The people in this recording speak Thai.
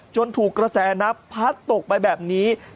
ถูกกระแสนับพัดตกไปแบบนี้